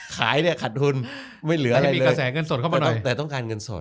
ขายเนี่ยขัดทุนไม่เหลืออะไรเลยแต่ต้องการเงินสด